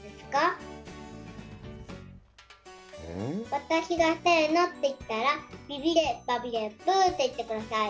わたしが「せの」って言ったら「ビビデバビデブー」って言ってください。